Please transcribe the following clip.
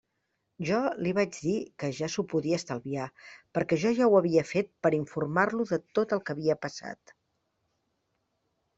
Jo li vaig dir que ja s'ho podia estalviar perquè jo ja ho havia fet per informar-lo de tot el que havia passat.